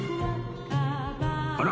あら！